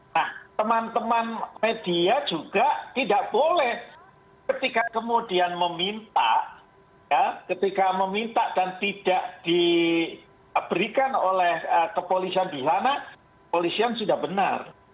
nah teman teman media juga tidak boleh ketika kemudian meminta ya ketika meminta dan tidak diberikan oleh kepolisian di sana kepolisian sudah benar